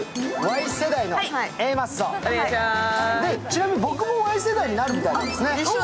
ちなみに僕もＹ世代になるみたいなんですね。